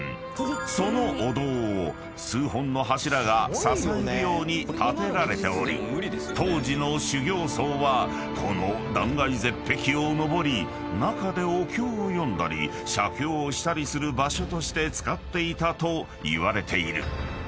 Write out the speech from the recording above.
［そのお堂を数本の柱が支えるように建てられており当時の修行僧はこの断崖絶壁を登り中でお経を読んだり写経をしたりする場所として使っていたといわれている］